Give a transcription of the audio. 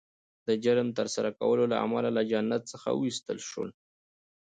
د جرم د ترسره کولو له امله له جنت څخه وایستل شول